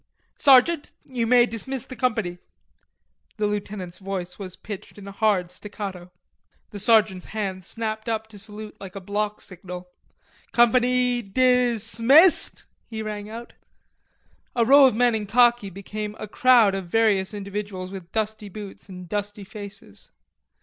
"Sergeant, you may dismiss the company." The lieutenant's voice was pitched in a hard staccato. The sergeant's hand snapped up to salute like a block signal. "Companee dis...missed," he rang out. The row of men in khaki became a crowd of various individuals with dusty boots and dusty faces.